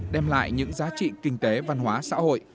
đem lại những giá trị kinh tế văn hóa xã hội